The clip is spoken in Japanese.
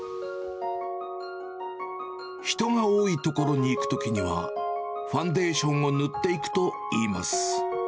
人が多い所に行くときには、ファンデーションを塗っていくといいます。